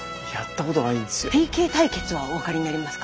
ＰＫ対決はお分かりになりますか？